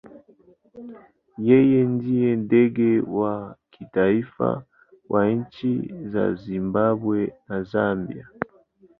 Yeye ndiye ndege wa kitaifa wa nchi za Zimbabwe na Zambia.